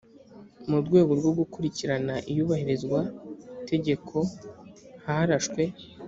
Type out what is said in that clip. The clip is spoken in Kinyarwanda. mu rwego rwo gukurikirana iyubahirizwa tegeko harashwe